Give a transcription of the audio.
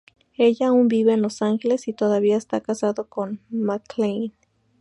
Ella aún vive en Los Ángeles y todavía está casada con McClane.